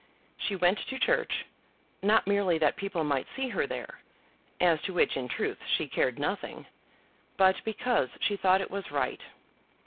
She went to church, not merely that people might see her there, as to which in truth she cared nothing, but because she thought it was right.